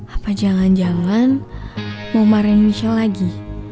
apa jangan jangan mau mariin michelle lagi